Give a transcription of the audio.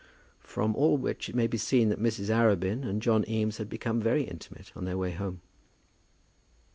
From all which it may be seen that Mrs. Arabin and John Eames had become very intimate on their way home.